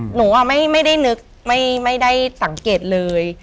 หนูไม่ได้นึกไม่ได้สังเกตเลย